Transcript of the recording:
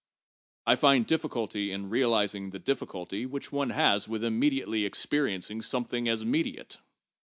I find difficulty in realizing the difficulty which one has with immediately experiencing something as mediate.